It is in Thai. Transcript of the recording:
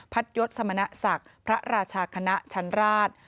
พัทยศสำนักศักดิ์พระราชาขณะชันราช